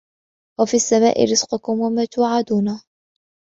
وفي السماء رزقكم وما توعدون